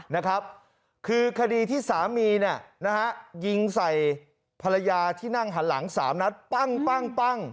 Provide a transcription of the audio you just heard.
นะครับคือคดีที่สามีเนี่ยนะฮะยิงใส่ภรรยาที่นั่งหันหลังสามนัดปั้งปั้ง